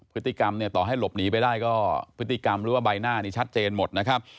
พฤติกรรมเนี่ยต่อให้หลบหนีไปได้ก็พฤติกรรมหรือว่าใบหน้านี่ชัดเจนหมดนะครับ